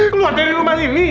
keluar dari rumah ini